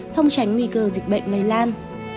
thông tránh nguy cơ dịch bệnh lây lan